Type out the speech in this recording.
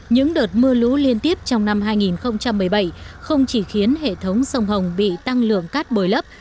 những đợt mưa lũ liên tiếp trong năm hai nghìn một mươi bảy không chỉ khiến hệ thống sông hồng bị tăng lượng cát bồi lấp